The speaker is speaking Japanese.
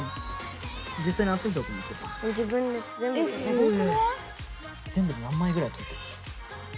すごくない？